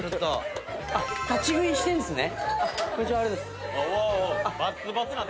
立ち食いしてんすね？